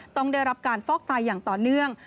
ต้องได้รับการฟอกไตอย่างต่อเนื่อง